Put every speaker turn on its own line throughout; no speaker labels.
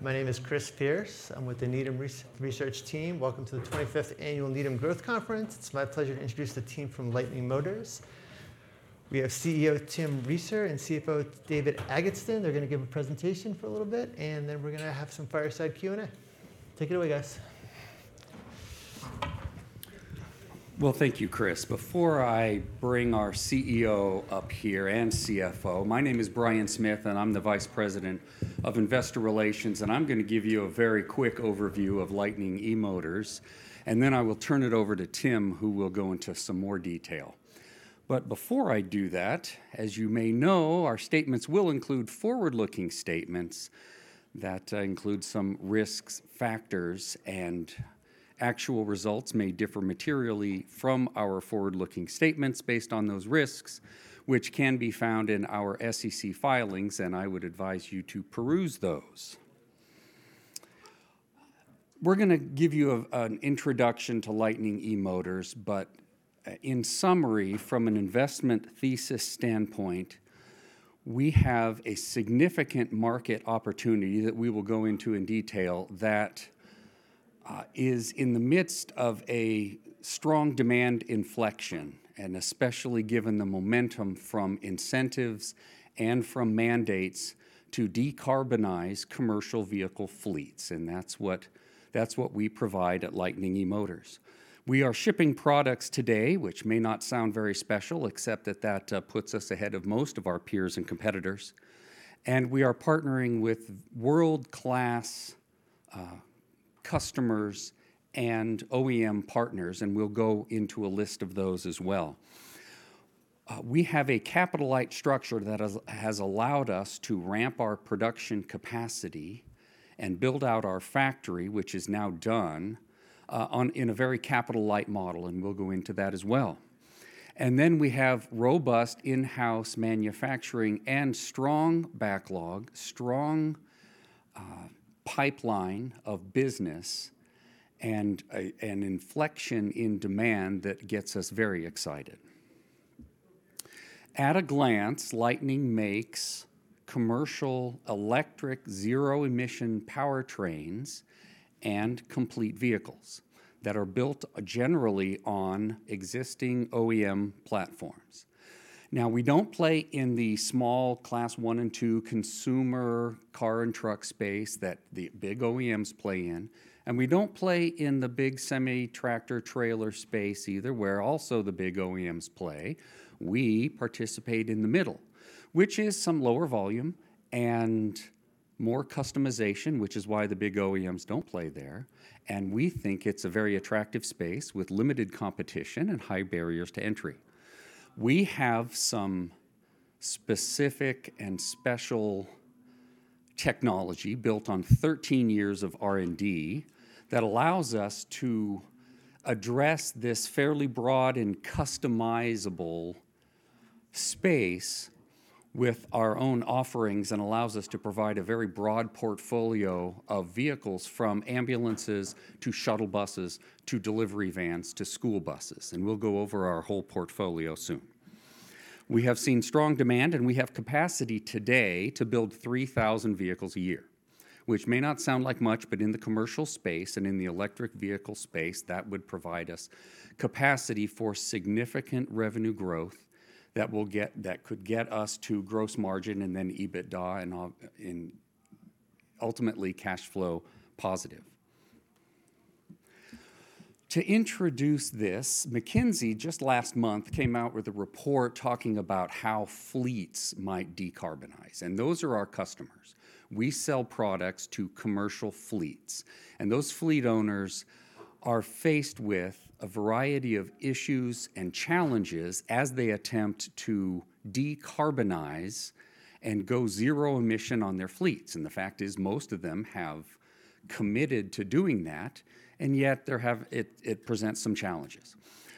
My name is Chris Pierce. I'm with the Needham Research Team. Welcome to the 25th Annual Needham Growth Conference. It's my pleasure to introduce the team from Lightning eMotors. We have CEO Tim Reeser and CFO David Agatston. They're gonna give a presentation for a little bit, and then we're gonna have some fireside Q&A. Take it away, guys.
Thank you, Chris. Before I bring our CEO up here and CFO, my name is Brian Smith, and I'm the Vice President of Investor Relations, and I'm gonna give you a very quick overview of Lightning eMotors, and then I will turn it over to Tim, who will go into some more detail. Before I do that, as you may know, our statements will include forward-looking statements that include some risks, factors, and actual results may differ materially from our forward-looking statements based on those risks, which can be found in our SEC filings, and I would advise you to peruse those. We're gonna give you an introduction to Lightning eMotors. In summary, from an investment thesis standpoint, we have a significant market opportunity that we will go into in detail that is in the midst of a strong demand inflection. Especially given the momentum from incentives and from mandates to decarbonize commercial vehicle fleets. That's what we provide at Lightning eMotors. We are shipping products today, which may not sound very special, except that that puts us ahead of most of our peers and competitors. We are partnering with world-class customers and OEM partners, and we'll go into a list of those as well. We have a capital-light structure that has allowed us to ramp our production capacity and build out our factory, which is now done in a very capital-light model, and we'll go into that as well. We have robust in-house manufacturing and strong backlog, strong pipeline of business and an inflection in demand that gets us very excited. At a glance, Lightning makes commercial electric zero-emission powertrains and complete vehicles that are built generally on existing OEM platforms. Now, we don't play in the small Class 1 and 2 consumer car and truck space that the big OEMs play in, and we don't play in the big semi-tractor trailer space either, where also the big OEMs play. We participate in the middle, which is some lower volume and more customization, which is why the big OEMs don't play there. We think it's a very attractive space with limited competition and high barriers to entry. We have some specific and special technology built on 13 years of R&D that allows us to address this fairly broad and customizable space with our own offerings and allows us to provide a very broad portfolio of vehicles from ambulances to shuttle buses to delivery vans to school buses. We'll go over our whole portfolio soon. We have seen strong demand, and we have capacity today to build 3,000 vehicles a year, which may not sound like much, but in the commercial space and in the electric vehicle space, that would provide us capacity for significant revenue growth that could get us to gross margin and then EBITDA and ultimately cash flow positive. To introduce this, McKinsey just last month came out with a report talking about how fleets might decarbonize, and those are our customers. We sell products to commercial fleets, and those fleet owners are faced with a variety of issues and challenges as they attempt to decarbonize and go zero-emission on their fleets, and the fact is most of them have committed to doing that, and yet it presents some challenges.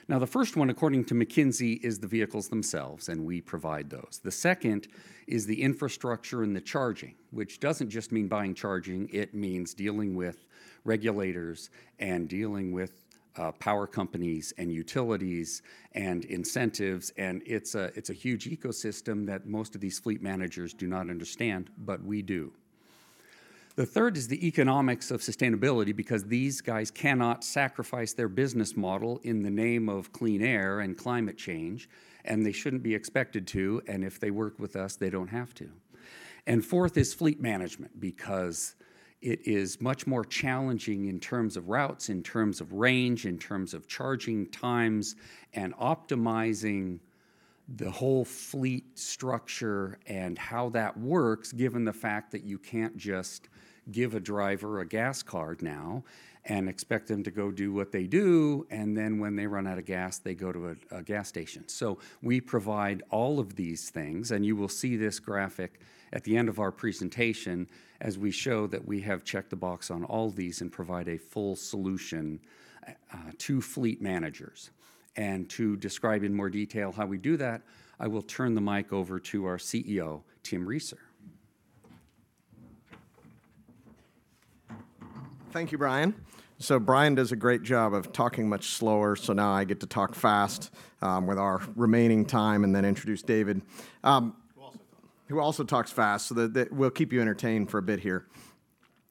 The first one, according to McKinsey, is the vehicles themselves, and we provide those. The second is the infrastructure and the charging, which doesn't just mean buying charging. It means dealing with regulators and dealing with power companies and utilities and incentives, and it's a huge ecosystem that most of these fleet managers do not understand, but we do. The third is the economics of sustainability because these guys cannot sacrifice their business model in the name of clean air and climate change, and they shouldn't be expected to, and if they work with us, they don't have to. Fourth is fleet management because it is much more challenging in terms of routes, in terms of range, in terms of charging times and optimizing the whole fleet structure and how that works, given the fact that you can't just give a driver a gas card now and expect them to go do what they do, and then when they run out of gas, they go to a gas station. We provide all of these things, and you will see this graphic at the end of our presentation as we show that we have checked the box on all these and provide a full solution to fleet managers. To describe in more detail how we do that, I will turn the mic over to our CEO, Tim Reeser.
Thank you, Brian. Brian does a great job of talking much slower, so now I get to talk fast, with our remaining time and then introduce David. Who also talks fast. Who also talks fast. We'll keep you entertained for a bit here.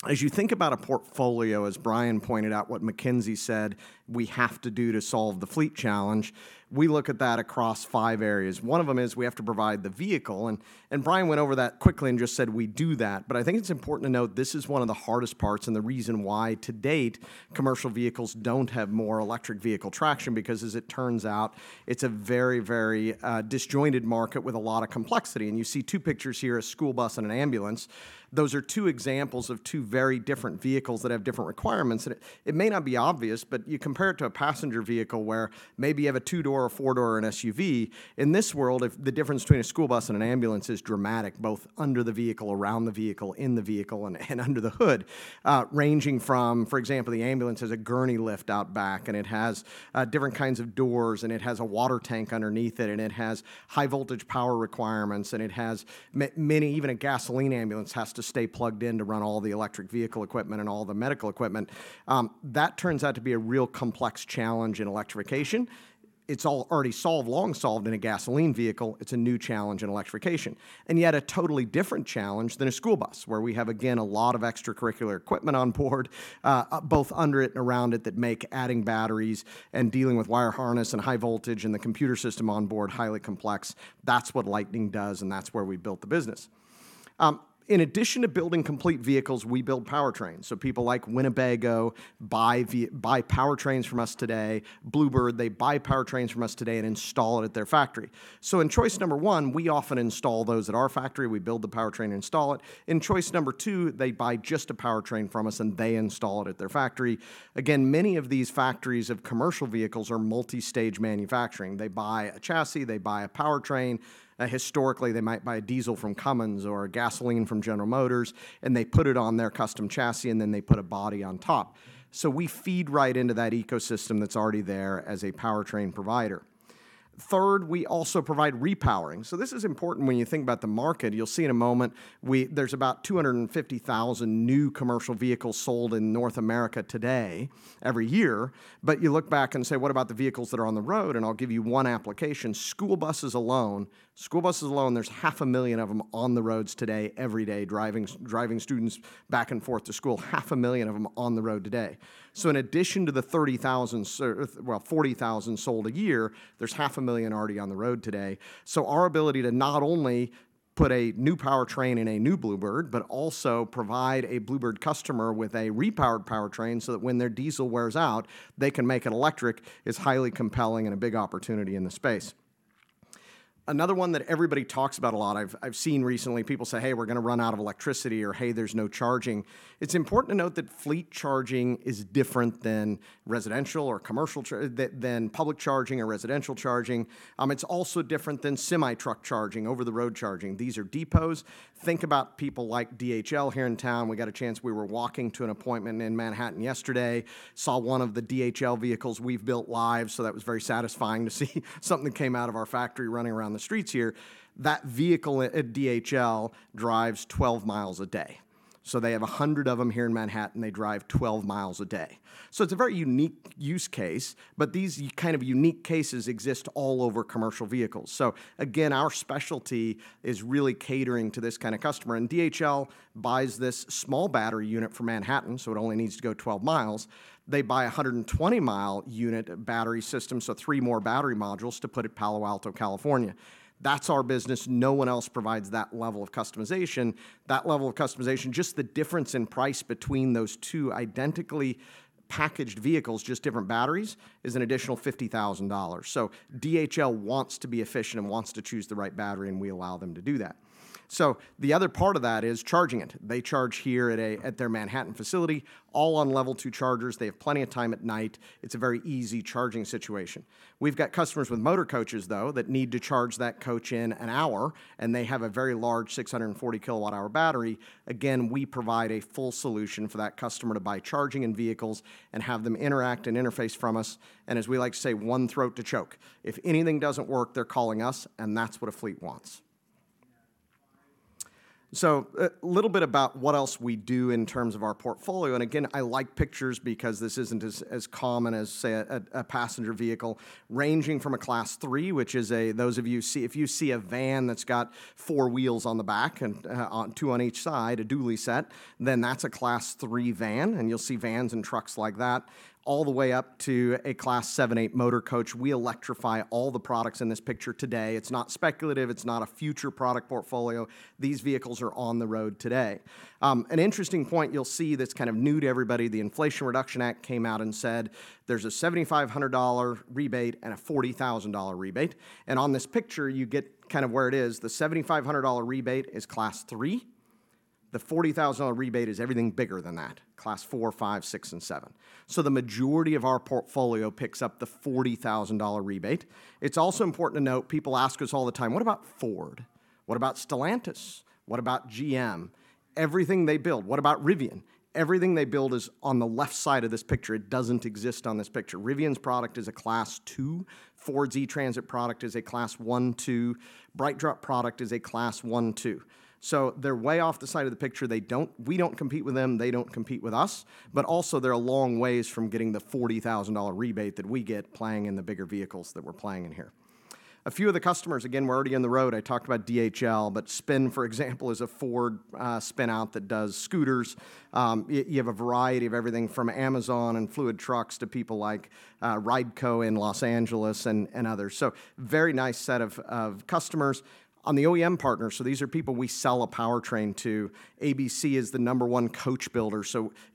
As you think about a portfolio, as Brian pointed out what McKinsey said we have to do to solve the fleet challenge, we look at that across five areas. One of them is we have to provide the vehicle. Brian went over that quickly and just said we do that. I think it's important to note this is one of the hardest parts and the reason why to date, commercial vehicles don't have more electric vehicle traction, because as it turns out, it's a very, very disjointed market with a lot of complexity. You see two pictures here, a school bus and an ambulance. Those are two examples of two very different vehicles that have different requirements. It may not be obvious, but you compare it to a passenger vehicle where maybe you have a two-door or four-door or an SUV. In this world, if the difference between a school bus and an ambulance is dramatic, both under the vehicle, around the vehicle, in the vehicle, and under the hood, ranging from. For example, the ambulance has a gurney lift out back, and it has different kinds of doors, and it has a water tank underneath it, and it has high voltage power requirements, and it has many. Even a gasoline ambulance has to stay plugged in to run all the electric vehicle equipment and all the medical equipment. That turns out to be a real complex challenge in electrification. It's already solved, long solved in a gasoline vehicle. It's a new challenge in electrification. Yet a totally different challenge than a school bus, where we have, again, a lot of extracurricular equipment on board, both under it and around it that make adding batteries and dealing with wire harness and high voltage and the computer system on board highly complex. That's what Lightning does, and that's where we built the business. In addition to building complete vehicles, we build powertrains. People like Winnebago buy powertrains from us today. Blue Bird, they buy powertrains from us today and install it at their factory. In choice number one, we often install those at our factory. We build the powertrain and install it. In choice number two, they buy just a powertrain from us. They install it at their factory. Many of these factories of commercial vehicles are multi-stage manufacturing. They buy a chassis, they buy a powertrain. Historically, they might buy a diesel from Cummins or a gasoline from General Motors. They put it on their custom chassis. They put a body on top. We feed right into that ecosystem that's already there as a powertrain provider. Third, we also provide repowering. This is important when you think about the market. You'll see in a moment there's about 250,000 new commercial vehicles sold in North America today every year. You look back and say, "What about the vehicles that are on the road?" I'll give you one application. School buses alone. School buses alone, there's half a million of them on the roads today, every day, driving students back and forth to school. Half a million of them on the road today. In addition to the well, 40,000 sold a year, there's half a million already on the road today. Our ability to not only put a new powertrain in a new Blue Bird but also provide a Blue Bird customer with a repowered powertrain so that when their diesel wears out, they can make it electric, is highly compelling and a big opportunity in the space. Another one that everybody talks about a lot I've seen recently, people say, "Hey, we're gonna run out of electricity," or, "Hey, there's no charging." It's important to note that fleet charging is different than residential or commercial than public charging or residential charging. It's also different than semi-truck charging, over-the-road charging. These are depots. Think about people like DHL here in town. We got a chance. We were walking to an appointment in Manhattan yesterday, saw one of the DHL vehicles we've built live, so that was very satisfying to see something that came out of our factory running around the streets here. That vehicle at DHL drives 12 miles a day. They have 100 of them here in Manhattan. They drive 12 miles a day. It's a very unique use case, but these kind of unique cases exist all over commercial vehicles. Again, our specialty is really catering to this kind of customer. DHL buys this small battery unit for Manhattan, so it only needs to go 12 miles. They buy a 120-mile unit battery system, so three more battery modules to put at Palo Alto, California. That's our business. No one else provides that level of customization. That level of customization, just the difference in price between those two identically packaged vehicles, just different batteries, is an additional $50,000. DHL wants to be efficient and wants to choose the right battery, and we allow them to do that. The other part of that is charging it. They charge here at their Manhattan facility, all on Level 2 chargers. They have plenty of time at night. It's a very easy charging situation. We've got customers with motor coaches, though, that need to charge that coach in an hour, and they have a very large 640 kilowatt-hour battery. Again, we provide a full solution for that customer to buy charging in vehicles and have them interact and interface from us. As we like to say, one throat to choke. If anything doesn't work, they're calling us, and that's what a fleet wants. A little bit about what else we do in terms of our portfolio. Again, I like pictures because this isn't as common as, say, a passenger vehicle ranging from a Class 3, which is Those of you see if you see a van that's got 4 wheels on the back and 2 on each side, a dually set, then that's a Class 3 van. You'll see vans and trucks like that all the way up to a Class 78 motor coach. We electrify all the products in this picture today. It's not speculative. It's not a future product portfolio. These vehicles are on the road today. An interesting point you'll see that's kind of new to everybody, the Inflation Reduction Act came out and said there's a $7,500 rebate and a $40,000 rebate. On this picture, you get kind of where it is. The $7,500 rebate is Class 3. The $40,000 rebate is everything bigger than that, Class 4, 5, 6, and 7. The majority of our portfolio picks up the $40,000 rebate. It's also important to note, people ask us all the time, "What about Ford? What about Stellantis? What about GM? Everything they build. What about Rivian? Everything they build is on the left side of this picture. It doesn't exist on this picture. Rivian's product is a Class 2. Ford's E-Transit product is a Class 1, 2. BrightDrop product is a Class 1, 2. They're way off the side of the picture. We don't compete with them. They don't compete with us. Also, they're a long ways from getting the $40,000 rebate that we get playing in the bigger vehicles that we're playing in here. A few of the customers, again, we're already on the road. I talked about DHL. Spin, for example, is a Ford spin-out that does scooters. You have a variety of everything from Amazon and Fluid Trucks to people like RideCo in Los Angeles and others. Very nice set of customers. On the OEM partners, these are people we sell a powertrain to. ABC is the number one coach builder.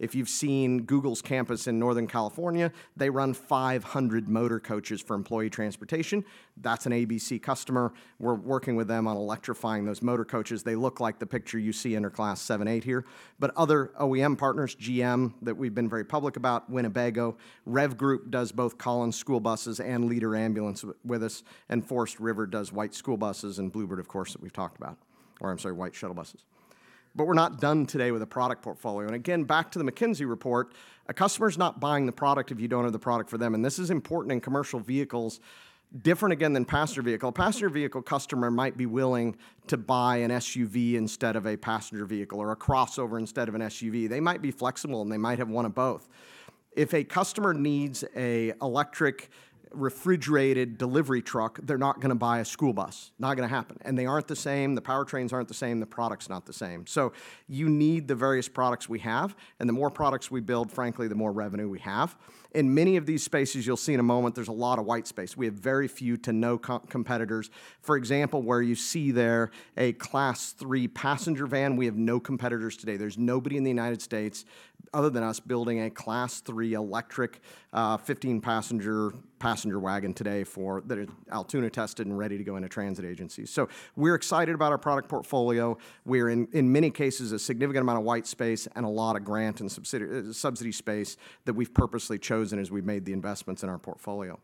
If you've seen Google's campus in Northern California, they run 500 motor coaches for employee transportation. That's an ABC customer. We're working with them on electrifying those motor coaches. They look like the picture you see under Class 7, 8 here. Other OEM partners, GM, that we've been very public about, Winnebago. REV Group does both Collins school buses and Leader Ambulance with us, Forest River does white school buses and Blue Bird, of course, that we've talked about, or I'm sorry, white shuttle buses. We're not done today with the product portfolio. Again, back to the McKinsey report, a customer's not buying the product if you don't have the product for them, and this is important in commercial vehicles, different again than passenger vehicle. A passenger vehicle customer might be willing to buy an SUV instead of a passenger vehicle or a crossover instead of an SUV. They might be flexible, and they might have one of both. If a customer needs a electric refrigerated delivery truck, they're not gonna buy a school bus. Not gonna happen. They aren't the same, the powertrains aren't the same, the product's not the same. You need the various products we have, and the more products we build, frankly, the more revenue we have. In many of these spaces, you'll see in a moment there's a lot of white space. We have very few to no competitors. For example, where you see there a Class 3 passenger van, we have no competitors today. There's nobody in the United States other than us building a Class 3 electric, 15-passenger passenger wagon today that is Altoona-tested and ready to go into transit agencies. We're excited about our product portfolio. We're in many cases, a significant amount of white space and a lot of grant and subsidy space that we've purposely chosen as we've made the investments in our portfolio.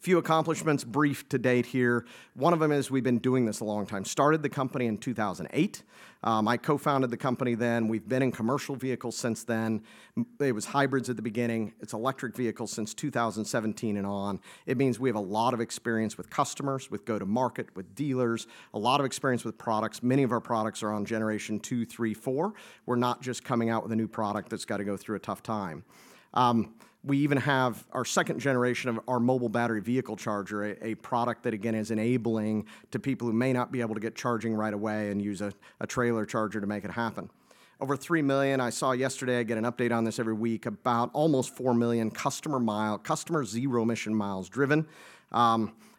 A few accomplishments, brief to date here. One of them is we've been doing this a long time. Started the company in 2008. I co-founded the company then. We've been in commercial vehicles since then. It was hybrids at the beginning. It's electric vehicles since 2017 and on. It means we have a lot of experience with customers, with go-to-market, with dealers, a lot of experience with products. Many of our products are on generation 2, 3, 4. We're not just coming out with a new product that's gotta go through a tough time. We even have our second generation of our mobile battery vehicle charger, a product that again is enabling to people who may not be able to get charging right away and use a trailer charger to make it happen. Over 3 million I saw yesterday, I get an update on this every week, about almost 4 million customer mile, customer zero emission miles driven.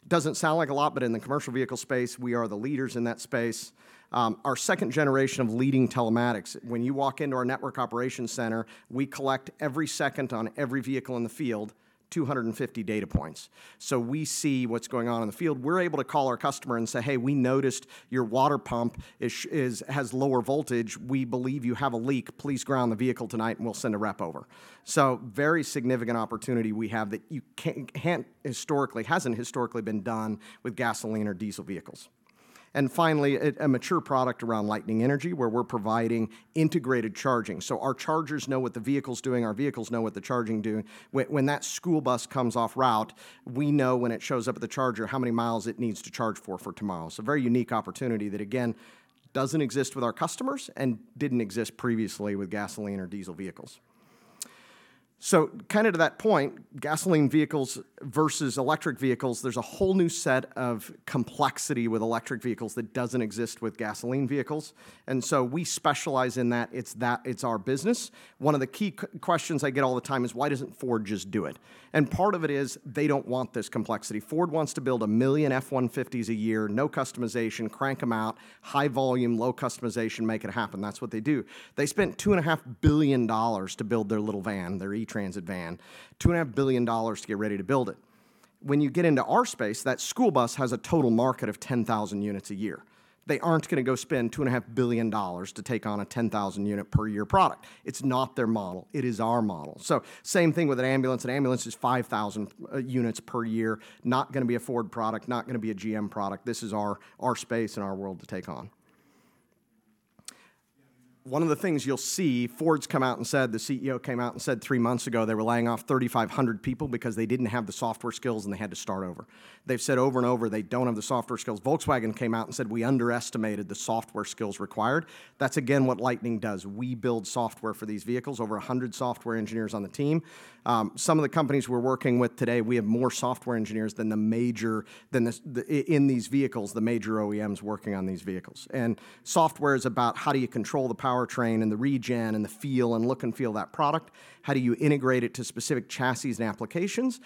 Doesn't sound like a lot, but in the commercial vehicle space, we are the leaders in that space. Our second generation of leading telematics. When you walk into our network operations center, we collect every second on every vehicle in the field, 250 data points. We see what's going on in the field. We're able to call our customer and say, "Hey, we noticed your water pump has lower voltage. We believe you have a leak. Please ground the vehicle tonight, and we'll send a rep over." Very significant opportunity we have that you can't historically, hasn't historically been done with gasoline or diesel vehicles. Finally, a mature product around Lightning Energy, where we're providing integrated charging. Our chargers know what the vehicle's doing. Our vehicles know what the charging doing. When that school bus comes off route, we know when it shows up at the charger how many miles it needs to charge for tomorrow. A very unique opportunity that again doesn't exist with our customers and didn't exist previously with gasoline or diesel vehicles. Kind of to that point, gasoline vehicles versus electric vehicles, there's a whole new set of complexity with electric vehicles that doesn't exist with gasoline vehicles. We specialize in that. It's our business. One of the key questions I get all the time is, "Why doesn't Ford just do it?" Part of it is they don't want this complexity. Ford wants to build 1 million F-150s a year, no customization, crank them out, high volume, low customization, make it happen. That's what they do. They spent $2.5 billion to build their little van, their E-Transit van. $2.5 billion to get ready to build it. When you get into our space, that school bus has a total market of 10,000 units a year. They aren't gonna go spend $2.5 billion to take on a 10,000 unit per year product. It's not their model. It is our model. Same thing with an ambulance. An ambulance is 5,000 units per year. Not gonna be a Ford product, not gonna be a GM product. This is our space and our world to take on. One of the things you'll see, Ford's come out and said, the CEO came out and said 3 months ago they were laying off 3,500 people because they didn't have the software skills and they had to start over. They've said over and over they don't have the software skills. Volkswagen came out and said, "We underestimated the software skills required." That's again what Lightning does. We build software for these vehicles, over 100 software engineers on the team. Some of the companies we're working with today, we have more software engineers than the major, than the in these vehicles, the major OEMs working on these vehicles. Software is about how do you control the powertrain and the regen and the feel and look and feel of that product? How do you integrate it to specific chassis and applications?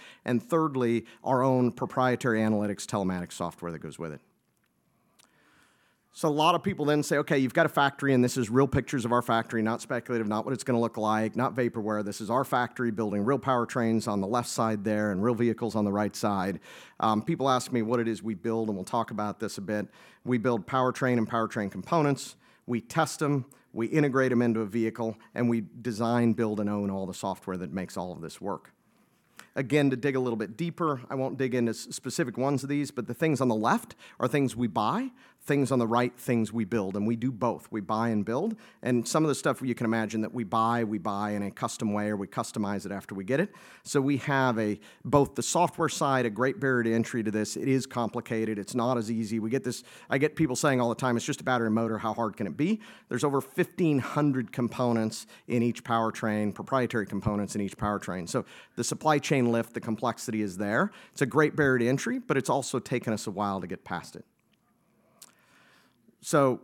Thirdly, our own proprietary analytics telematics software that goes with it. A lot of people then say, "Okay, you've got a factory," and this is real pictures of our factory, not speculative, not what it's gonna look like, not vaporware. This is our factory building real powertrains on the left side there and real vehicles on the right side. People ask me what it is we build, and we'll talk about this a bit. We build powertrain and powertrain components. We test them. We integrate them into a vehicle, and we design, build, and own all the software that makes all of this work. Again, to dig a little bit deeper, I won't dig into specific ones of these, but the things on the left are things we buy, things on the right, things we build. We do both. We buy and build. Some of the stuff you can imagine that we buy, we buy in a custom way or we customize it after we get it. We have both the software side, a great barrier to entry to this. It is complicated. It's not as easy. I get people saying all the time, "It's just a battery and motor. How hard can it be?" There's over 1,500 components in each powertrain, proprietary components in each powertrain. The supply chain lift, the complexity is there. It's a great barrier to entry, but it's also taken us a while to get past it.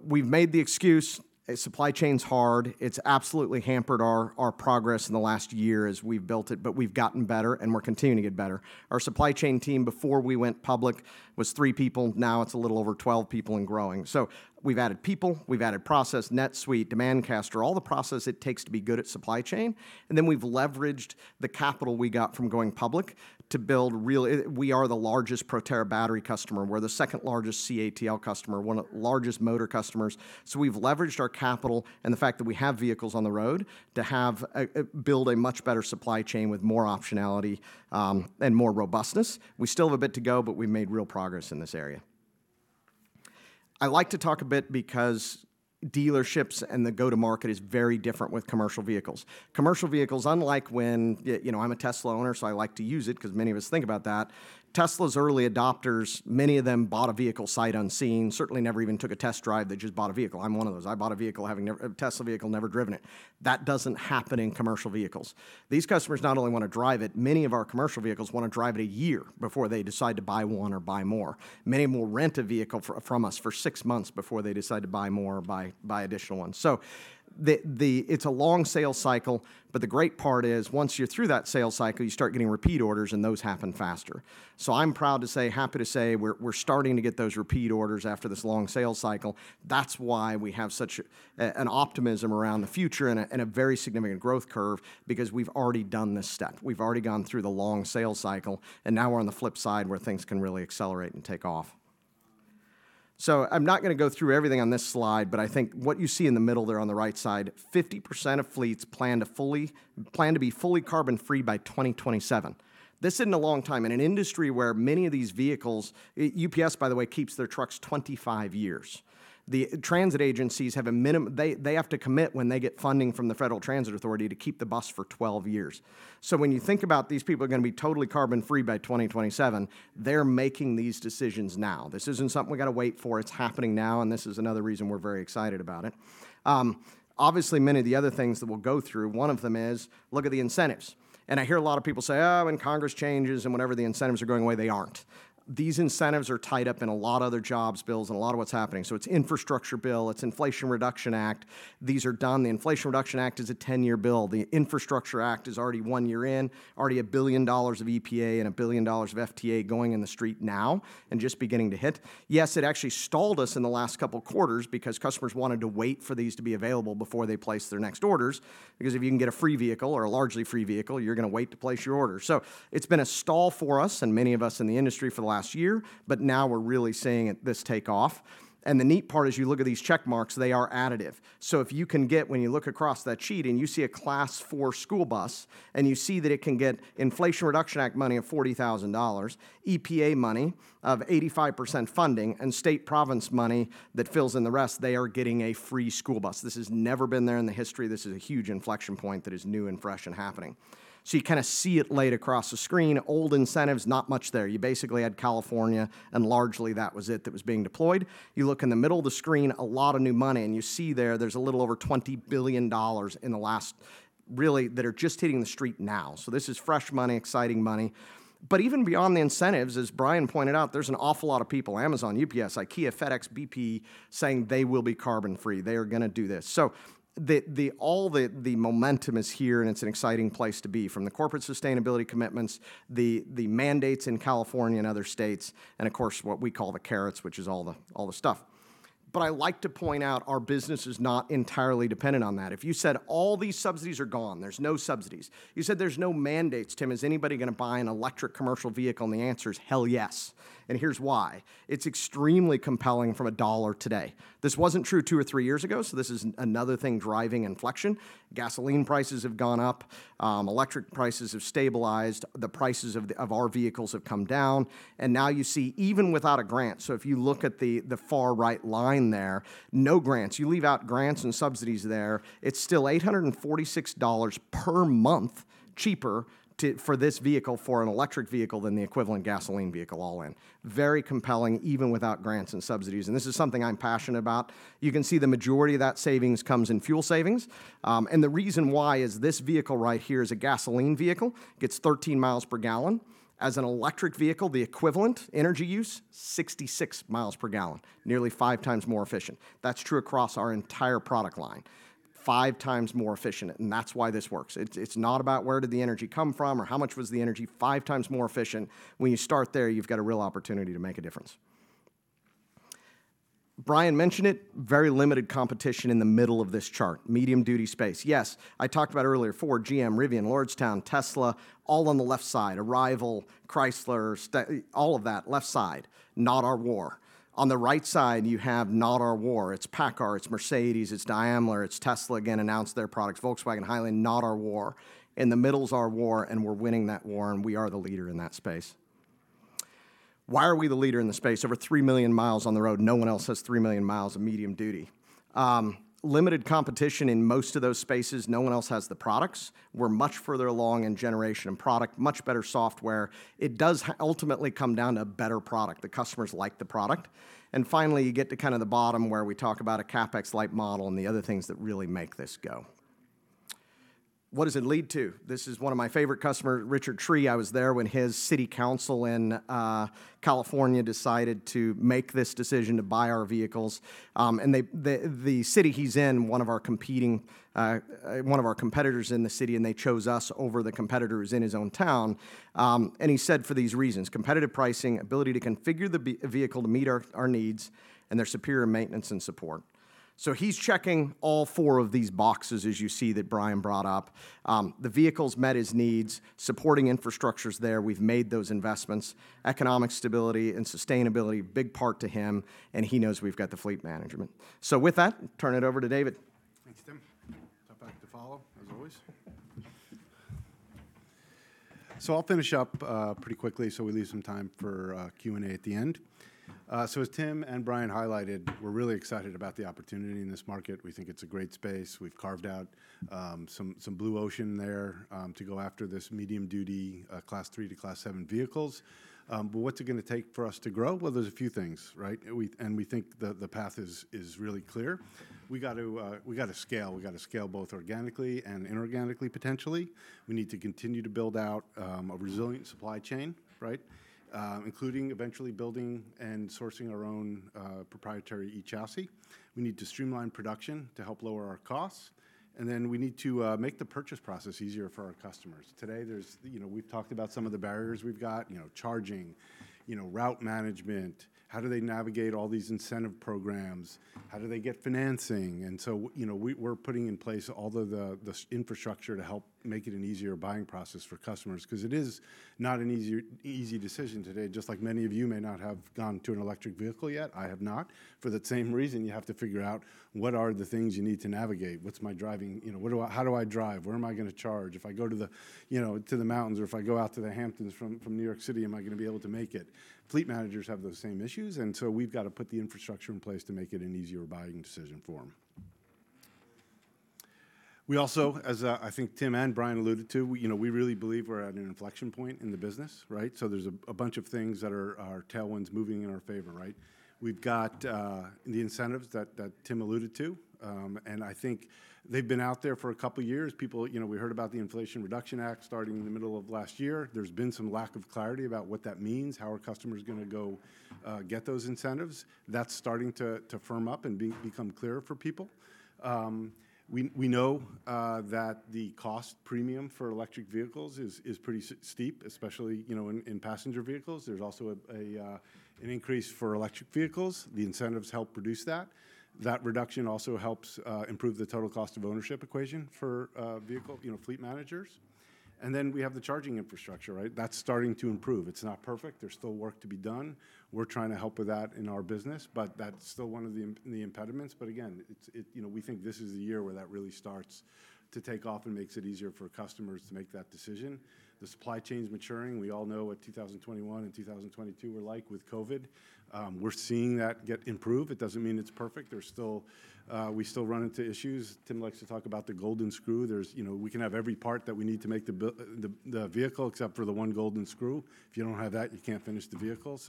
We've made the excuse, supply chain's hard. It's absolutely hampered our progress in the last year as we've built it, but we've gotten better, and we're continuing to get better. Our supply chain team before we went public was 3 people. It's a little over 12 people and growing. We've added people, we've added process, NetSuite, DemandCaster, all the process it takes to be good at supply chain. We've leveraged the capital we got from going public to build. We are the largest Proterra battery customer. We're the second largest CATL customer, one of the largest motor customers. We've leveraged our capital and the fact that we have vehicles on the road to build a much better supply chain with more optionality and more robustness. We still have a bit to go, but we've made real progress in this area. I like to talk a bit because dealerships and the go-to-market is very different with commercial vehicles. Commercial vehicles, unlike when you know, I'm a Tesla owner, so I like to use it because many of us think about that. Tesla's early adopters, many of them bought a vehicle sight unseen, certainly never even took a test drive. They just bought a vehicle. I'm one of those. I bought a vehicle a Tesla vehicle, never driven it. That doesn't happen in commercial vehicles. These customers not only wanna drive it, many of our commercial vehicles wanna drive it a year before they decide to buy one or buy more. Many will rent a vehicle from us for 6 months before they decide to buy more or buy additional ones. It's a long sales cycle, but the great part is once you're through that sales cycle, you start getting repeat orders, and those happen faster. I'm proud to say, happy to say we're starting to get those repeat orders after this long sales cycle. That's why we have such an optimism around the future and a very significant growth curve because we've already done this step. We've already gone through the long sales cycle, and now we're on the flip side where things can really accelerate and take off. I'm not gonna go through everything on this slide, but I think what you see in the middle there on the right side, 50% of fleets plan to be fully carbon-free by 2027. This isn't a long time. In an industry where many of these vehicles. UPS, by the way, keeps their trucks 25 years. The transit agencies have a. They have to commit when they get funding from the Federal Transit Administration to keep the bus for 12 years. When you think about these people are gonna be totally carbon-free by 2027, they're making these decisions now. This isn't something we gotta wait for. It's happening now, and this is another reason we're very excited about it. Obviously, many of the other things that we'll go through, one of them is look at the incentives. I hear a lot of people say, "Oh, when Congress changes and whenever the incentives are going away," they aren't. These incentives are tied up in a lot of other jobs bills and a lot of what's happening. It's Infrastructure Bill, it's Inflation Reduction Act. These are done. The Inflation Reduction Act is a 10-year bill. The Infrastructure Act is already 1 year in, already $1 billion of EPA and $1 billion of FTA going in the street now and just beginning to hit. It actually stalled us in the last couple quarters because customers wanted to wait for these to be available before they place their next orders. If you can get a free vehicle or a largely free vehicle, you're gonna wait to place your order. It's been a stall for us and many of us in the industry for the last year, but now we're really seeing it, this take off. The neat part is you look at these check marks, they are additive. If you can get, when you look across that sheet and you see a Class 4 school bus, and you see that it can get Inflation Reduction Act money of $40,000, EPA money of 85% funding, and state province money that fills in the rest, they are getting a free school bus. This has never been there in the history. This is a huge inflection point that is new and fresh and happening. You kinda see it laid across the screen. Old incentives, not much there. You basically had California, and largely that was it that was being deployed. You look in the middle of the screen, a lot of new money, and you see there's a little over $20 billion in the last, really, that are just hitting the street now. This is fresh money, exciting money. Even beyond the incentives, as Brian pointed out, there's an awful lot of people, Amazon, UPS, IKEA, FedEx, BP, saying they will be carbon-free. They are gonna do this. All the momentum is here, and it's an exciting place to be, from the corporate sustainability commitments, the mandates in California and other states, and of course, what we call the carrots, which is all the stuff. I like to point out our business is not entirely dependent on that. If you said all these subsidies are gone, there's no subsidies. You said there's no mandates, Tim, is anybody gonna buy an electric commercial vehicle? The answer is hell yes. Here's why. It's extremely compelling from a dollar today. This wasn't true 2 or 3 years ago, so this is another thing driving inflection. Gasoline prices have gone up. Electric prices have stabilized. The prices of our vehicles have come down. Now you see even without a grant, so if you look at the far right line there, no grants. You leave out grants and subsidies there, it's still $846 per month cheaper for this vehicle, for an electric vehicle than the equivalent gasoline vehicle all in. Very compelling, even without grants and subsidies. This is something I'm passionate about. You can see the majority of that savings comes in fuel savings. The reason why is this vehicle right here is a gasoline vehicle, gets 13 miles per gallon. As an electric vehicle, the equivalent energy use, 66 miles per gallon, nearly 5 times more efficient. That's true across our entire product line. 5 times more efficient, and that's why this works. It's not about where did the energy come from or how much was the energy. Five times more efficient. When you start there, you've got a real opportunity to make a difference. Brian mentioned it, very limited competition in the middle of this chart, medium-duty space. Yes, I talked about earlier Ford, GM, Rivian, Lordstown, Tesla, all on the left side. Arrival, Chrysler, all of that, left side, not our war. On the right side, you have not our war. It's PACCAR, it's Mercedes, it's Daimler, it's Tesla again announced their products. Volkswagen, Hyliion, not our war. In the middle is our war, and we're winning that war, and we are the leader in that space. Why are we the leader in the space? Over 3 million miles on the road. No one else has 3 million miles of medium duty. Limited competition in most of those spaces. No one else has the products. We're much further along in generation and product, much better software. It does ultimately come down to better product. The customers like the product. Finally, you get to kind of the bottom where we talk about a CapEx-light model and the other things that really make this go. What does it lead to? This is one of my favorite customer, Richard Tree. I was there when his city council in California decided to make this decision to buy our vehicles. The city he's in, one of our competing, one of our competitors in the city, they chose us over the competitors in his own town. He said for these reasons: competitive pricing, ability to configure the vehicle to meet our needs, and their superior maintenance and support. He's checking all four of these boxes as you see that Brian brought up. The vehicles met his needs. Supporting infrastructure's there. We've made those investments. Economic stability and sustainability, big part to him, and he knows we've got the fleet management. With that, turn it over to David.
Thanks, Tim. Tough act to follow, as always. I'll finish up pretty quickly so we leave some time for Q&A at the end. As Tim and Brian highlighted, we're really excited about the opportunity in this market. We think it's a great space. We've carved out some blue ocean there to go after this medium-duty Class 3 to Class 7 vehicles. What's it gonna take for us to grow? Well, there's a few things, right? We think the path is really clear. We got to we gotta scale. We gotta scale both organically and inorganically, potentially. We need to continue to build out a resilient supply chain, right? Including eventually building and sourcing our own proprietary eChassis. We need to streamline production to help lower our costs, and then we need to make the purchase process easier for our customers. Today, there's, you know, we've talked about some of the barriers we've got, you know, charging, you know, route management. How do they navigate all these incentive programs? How do they get financing? You know, we're putting in place all of the infrastructure to help make it an easier buying process for customers, 'cause it is not an easy decision today. Just like many of you may not have gone to an electric vehicle yet, I have not, for the same reason you have to figure out what are the things you need to navigate. You know, how do I drive? Where am I gonna charge? If I go to the, you know, to the mountains or if I go out to the Hamptons from New York City, am I gonna be able to make it? Fleet managers have those same issues, and so we've got to put the infrastructure in place to make it an easier buying decision for them. We also, as I think Tim and Brian alluded to, you know, we really believe we're at an inflection point in the business, right? There's a bunch of things that are tailwinds moving in our favor, right? We've got the incentives that Tim alluded to, and I think they've been out there for two years. People, you know, we heard about the Inflation Reduction Act starting in the middle of last year. There's been some lack of clarity about what that means, how are customers gonna go get those incentives. That's starting to firm up and become clearer for people. We know that the cost premium for electric vehicles is pretty steep, especially, you know, in passenger vehicles. There's also a an increase for electric vehicles. The incentives help reduce that. That reduction also helps improve the total cost of ownership equation for vehicle, you know, fleet managers. We have the charging infrastructure, right? That's starting to improve. It's not perfect. There's still work to be done. We're trying to help with that in our business, but that's still one of the impediments. Again, it's, it, you know, we think this is the year where that really starts to take off and makes it easier for customers to make that decision. The supply chain's maturing. We all know what 2021 and 2022 were like with COVID. We're seeing that get improved. It doesn't mean it's perfect. There's still, we still run into issues. Tim likes to talk about the golden screw. There's, you know, we can have every part that we need to make the vehicle except for the one golden screw. If you don't have that, you can't finish the vehicle.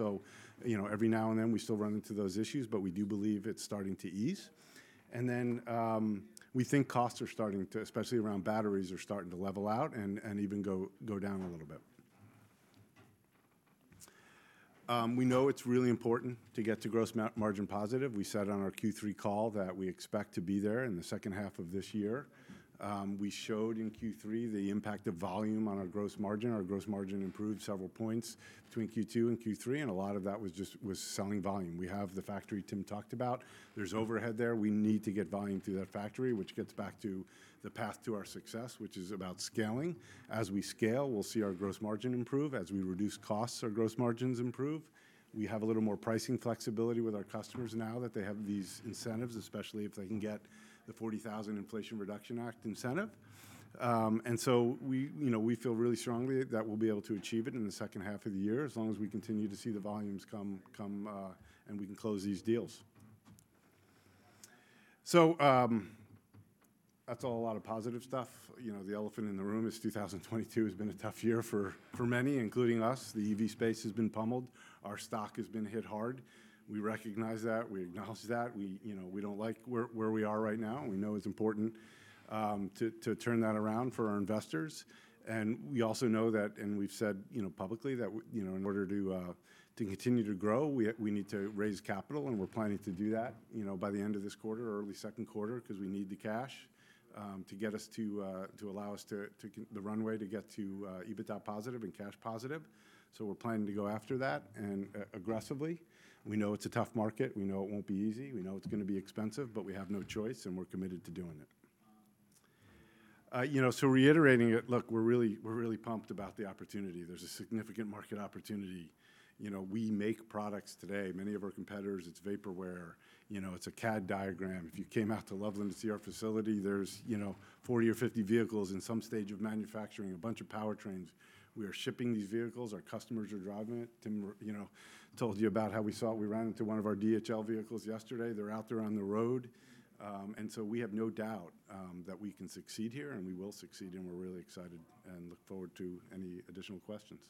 You know, every now and then, we still run into those issues, but we do believe it's starting to ease. We think costs are starting to, especially around batteries, are starting to level out and even go down a little bit. We know it's really important to get to gross margin positive. We said on our Q3 call that we expect to be there in the second half of this year. We showed in Q3 the impact of volume on our gross margin. Our gross margin improved several points between Q2 and Q3, and a lot of that was selling volume. We have the factory Tim talked about. There's overhead there. We need to get volume through that factory, which gets back to the path to our success, which is about scaling. As we scale, we'll see our gross margin improve. As we reduce costs, our gross margins improve. We have a little more pricing flexibility with our customers now that they have these incentives, especially if they can get the $40,000 Inflation Reduction Act incentive. We, you know, we feel really strongly that we'll be able to achieve it in the second half of the year, as long as we continue to see the volumes and we can close these deals. That's all a lot of positive stuff. You know, the elephant in the room is 2022 has been a tough year for many, including us. The EV space has been pummeled. Our stock has been hit hard. We recognize that. We acknowledge that. We, you know, we don't like where we are right now, and we know it's important to turn that around for our investors. We also know that, and we've said, you know, publicly, that you know, in order to continue to grow, we need to raise capital, and we're planning to do that, you know, by the end of this quarter or early second quarter, 'cause we need the cash to get us to allow us to the runway to get to EBITDA positive and cash positive. We're planning to go after that and aggressively. We know it's a tough market. We know it won't be easy. We know it's gonna be expensive, but we have no choice, and we're committed to doing it.
You know, reiterating it, look, we're really, we're really pumped about the opportunity. There's a significant market opportunity. You know, we make products today. Many of our competitors, it's vaporware, you know, it's a CAD diagram. If you came out to Loveland to see our facility, there's, you know, 40 or 50 vehicles in some stage of manufacturing, a bunch of powertrains. We are shipping these vehicles. Our customers are driving it. Tim Reeser you know, told you about how we ran into one of our DHL vehicles yesterday. They're out there on the road. We have no doubt that we can succeed here, and we will succeed, and we're really excited and look forward to any additional questions.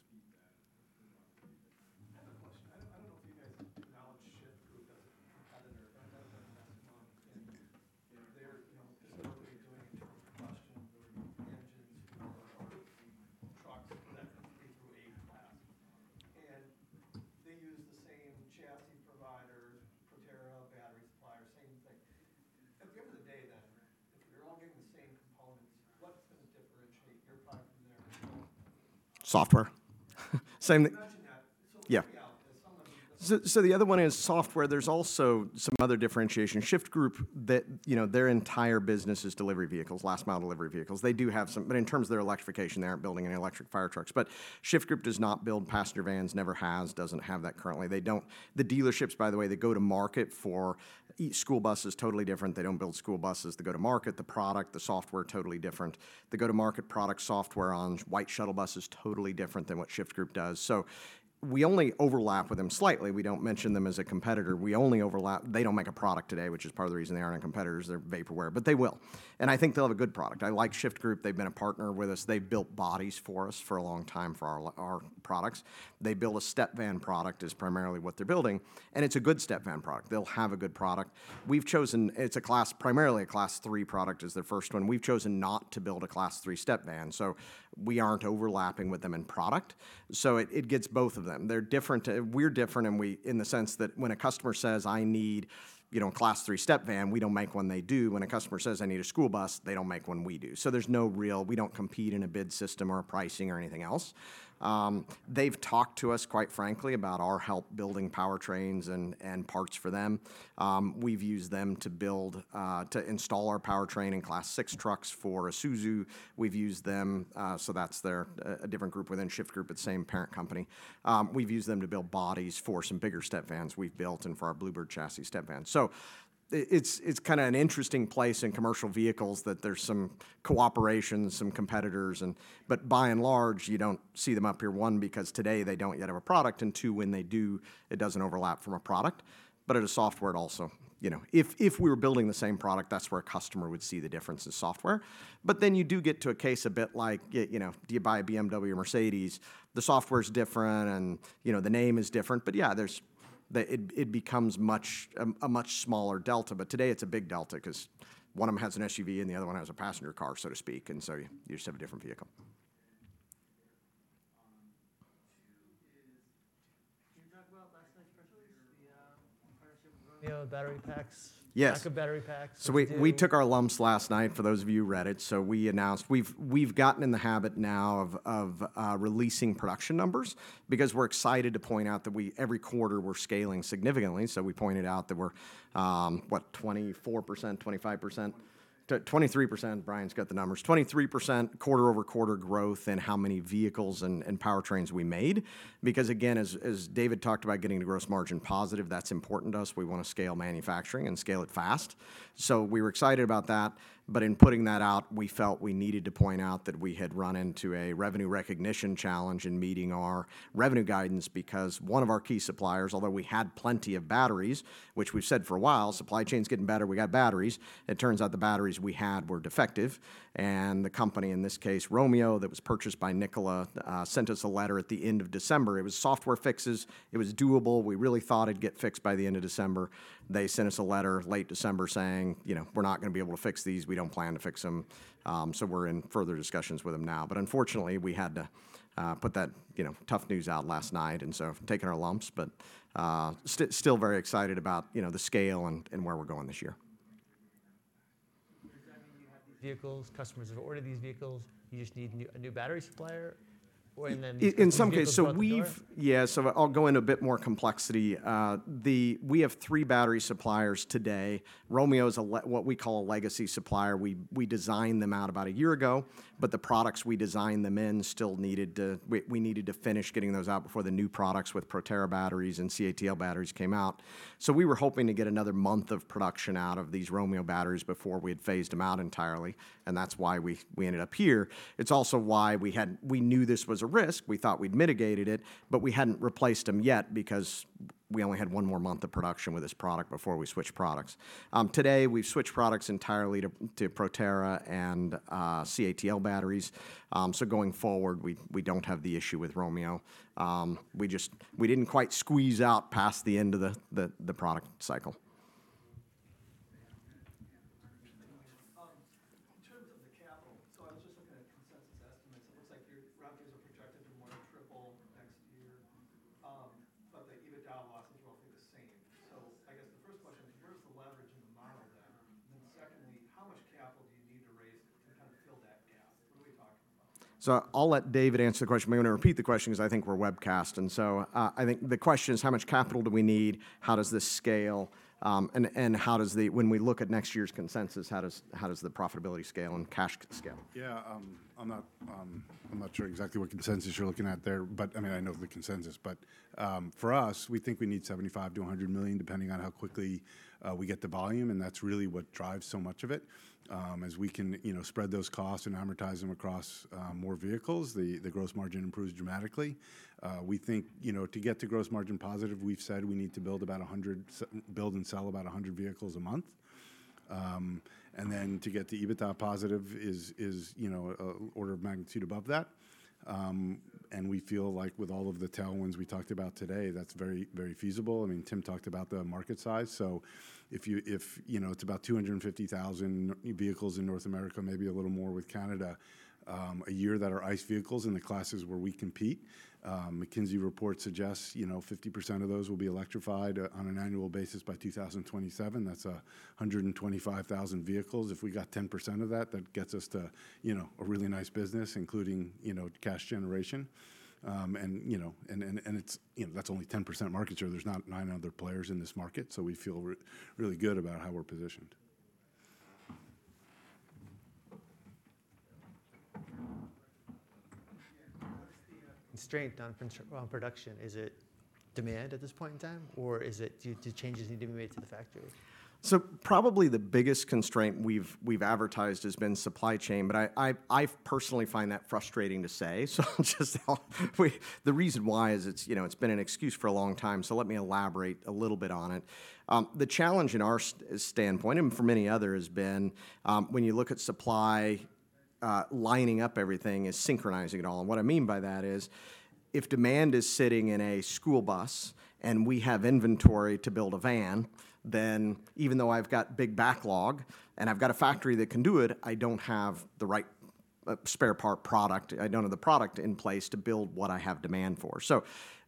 Lay it on me. As someone who
The other one is sofon metware. There's also some other differentiation. The Shyft Group, that, you know, their entire business is delivery vehicles, last-mile delivery vehicles. They do have some. In terms of their electrification, they aren't building any electric fire trucks. The Shyft Group does not build passenger vans, never has, doesn't have that currently. They don't. The dealerships, by the way, that go to market for e-school buses, totally different. They don't build school buses. The go-to-market, the product, the software, totally different. The go-to-market product software on white shuttle buses, totally different than what The Shyft Group does. We only overlap with them slightly. We don't mention them as a competitor. We only overlap. They don't make a product today, which is part of the reason they aren't our competitors. They're vaporware. They will. I think they'll have a good product. I like The Shyft Group. They've been a partner with us. They've built bodies for us for a long time for our products. They build a step van product, is primarily what they're building, and it's a good step van product. They'll have a good product. Primarily a Class 3 product is their first one. We've chosen not to build a Class 3 step van. We aren't overlapping with them in product. It gets both of them. They're different. We're different, and in the sense that when a customer says, "I need, you know, a Class 3 step van," we don't make one. They do. When a customer says, "I need a school bus," they don't make one. We do. There's no real. We don't compete in a bid system or pricing or anything else. They've talked to us, quite frankly, about our help building powertrains and parts for them. We've used them to build to install our powertrain in Class 6 trucks for Isuzu. We've used them, that's their a different group within The Shyft Group, but same parent company. We've used them to build bodies for some bigger step vans we've built and for our Blue Bird chassis step van. It's kinda an interesting place in commercial vehicles that there's some cooperation, some competitors. By and large, you don't see them up here, one, because today they don't yet have a product, and two, when they do, it doesn't overlap from a product. As a software, it also, you know. If, if we were building the same product, that's where a customer would see the difference is software. You do get to a case a bit like, you know, do you buy a BMW or Mercedes? The software is different and, you know, the name is different. Yeah, it becomes much, a much smaller delta. Today it's a big delta 'cause one of them has an SUV and the other one has a passenger car, so to speak. You just have a different vehicle.
Two is, can you talk about last night's press release, the, partnership with Romeo Power?
Yes....
pack of battery packs that
We took our lumps last night for those of you who read it. We announced we've gotten in the habit now of releasing production numbers because we're excited to point out that we every quarter we're scaling significantly. We pointed out that we're what? 24%, 25%. 23%. Brian's got the numbers. 23% quarter-over-quarter growth in how many vehicles and powertrains we made. Again, as David Agatston talked about getting the gross margin positive, that's important to us. We wanna scale manufacturing and scale it fast. We were excited about that. In putting that out, we felt we needed to point out that we had run into a revenue recognition challenge in meeting our revenue guidance because one of our key suppliers, although we had plenty of batteries, which we've said for a while, supply chain's getting better, we got batteries. It turns out the batteries we had were defective, and the company, in this case Romeo, that was purchased by Nikola, sent us a letter at the end of December. It was software fixes. It was doable. We really thought it'd get fixed by the end of December. They sent us a letter late December saying, you know, We're not gonna be able to fix these. We don't plan to fix them. So we're in further discussions with them now. Unfortunately, we had to put that, you know, tough news out last night. taking our lumps, but, still very excited about, you know, the scale and where we're going this year.
Does that mean you have these vehicles, customers have ordered these vehicles, you just need a new battery supplier? Or, and then these vehicles are out the door?
In some cases. Yeah. I'll go into a bit more complexity. We have 3 battery suppliers today. Romeo is what we call a legacy supplier. We designed them out about 1 year ago, the products we designed them in still needed to finish getting those out before the new products with Proterra batteries and CATL batteries came out. We were hoping to get another 1 month of production out of these Romeo batteries before we had phased them out entirely, that's why we ended up here. It's also why we knew this was a risk. We thought we'd mitigated it, we hadn't replaced them yet because we only had 1 more month of production with this product before we switched products. Today we've switched products entirely to Proterra and CATL batteries. Going forward, we don't have the issue with Romeo. We just didn't quite squeeze out past the end of the product cycle.
As we can, you know, spread those costs and amortize them across more vehicles, the gross margin improves dramatically. We think, you know, to get to gross margin positive, we've said we need to build and sell about 100 vehicles a month. To get to EBITDA positive is, you know, order of magnitude above that. We feel like with all of the tailwinds we talked about today, that's very feasible. I mean, Tim talked about the market size. If you, if, you know, it's about 250,000 vehicles in North America, maybe a little more with Canada, a year that are ICE vehicles in the classes where we compete. McKinsey & Company report suggests, you know, 50% of those will be electrified on an annual basis by 2027. That's 125,000 vehicles. If we got 10% of that gets us to, you know, a really nice business, including, you know, cash generation. And, you know, and, and it's, you know, that's only 10% market share. There's not 9 other players in this market, so we feel really good about how we're positioned.
What's the constraint on production? Is it demand at this point in time, or is it due to changes need to be made to the factory?
Probably the biggest constraint we've advertised has been supply chain, but I, I personally find that frustrating to say. The reason why is it's, you know, it's been an excuse for a long time, let me elaborate a little bit on it. The challenge in our standpoint, and for many others, has been, when you look at supply, lining up everything is synchronizing it all. What I mean by that is if demand is sitting in a school bus and we have inventory to build a van, then even though I've got big backlog and I've got a factory that can do it, I don't have the right spare part product. I don't have the product in place to build what I have demand for.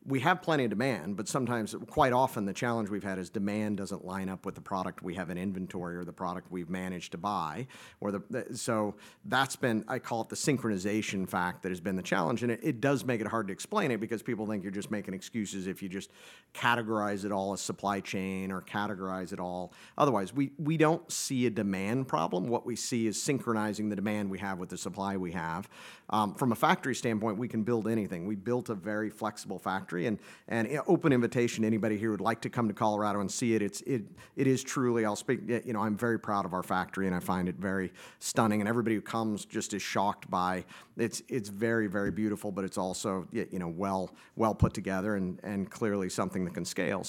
We have plenty of demand, but sometimes, quite often, the challenge we've had is demand doesn't line up with the product we have in inventory or the product we've managed to buy or the. That's been, I call it the synchronization fact that has been the challenge, and it does make it hard to explain it because people think you're just making excuses if you just categorize it all as supply chain or categorize it all. Otherwise, we don't see a demand problem. What we see is synchronizing the demand we have with the supply we have. From a factory standpoint, we can build anything. We built a very flexible factory and open invitation to anybody here who would like to come to Colorado and see it. It's, it is truly, I'll speak, you know, I'm very proud of our factory, and I find it very stunning. Everybody who comes just is shocked by. It's very, very beautiful, but it's also, you know, well put together and clearly something that can scale.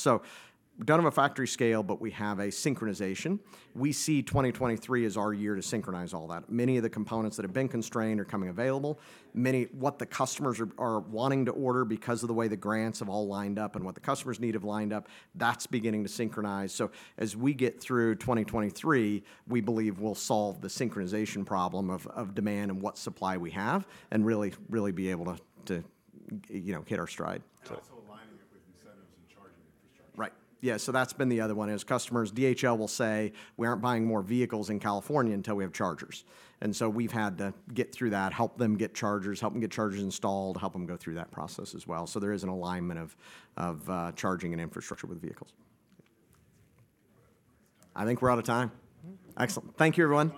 Don't have a factory scale, but we have a synchronization. We see 2023 as our year to synchronize all that. Many of the components that have been constrained are coming available. Many. What the customers are wanting to order because of the way the grants have all lined up and what the customers need have lined up, that's beginning to synchronize. As we get through 2023, we believe we'll solve the synchronization problem of demand and what supply we have and really be able to, you know, hit our stride.
Also aligning it with incentives and charging infrastructure.
Right. Yeah, that's been the other one is customers. DHL will say, "We aren't buying more vehicles in California until we have chargers." We've had to get through that, help them get chargers, help them get chargers installed, help them go through that process as well. There is an alignment of charging and infrastructure with vehicles. I think we're out of time. Excellent. Thank you, everyone.